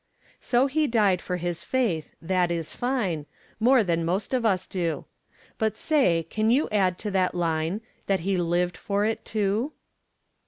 So he died for his faith. That is fine More than most of us do. But, say, can you add to that line That he lived for it, too?